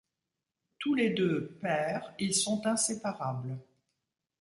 Tous les deux pères, ils sont inséparables.